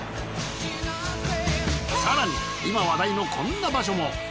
更に今話題のこんな場所も。